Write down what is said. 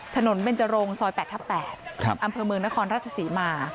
ถนนเบนจรงซอย๘ทับ๘อำเภอเมืองนครราชศรีมา